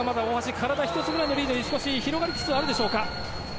体一つぐらいのリードで、少し広がりつつあるでしょうか。